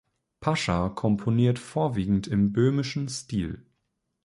Pascher komponiert vorwiegend im böhmischen Stil.